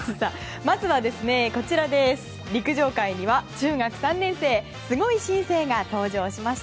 まずは、陸上界には中学３年生のすごい新星が登場しました。